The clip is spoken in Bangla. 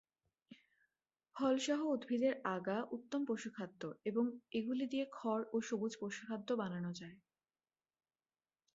ফলসহ উদ্ভিদের আগা উত্তম পশুখাদ্য এবং এগুলি দিয়ে খড় ও সবুজ পশুখাদ্য বানানো যায়।